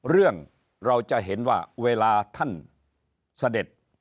เรื่องเราจะเห็นว่าเวลาท่านเสด็จ